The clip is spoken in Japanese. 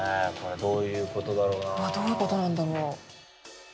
どういうことなんだろう。